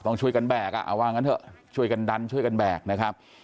ต้องช่วยกันแบกอ่ะเอาว่างั้นเถอะช่วยกันดันช่วยกันแบกนะครับ